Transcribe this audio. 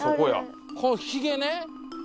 このひげね。